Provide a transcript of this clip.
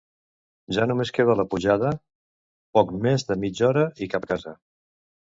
Ja només queda la pujada, poc més de mitja hora i cap a casa.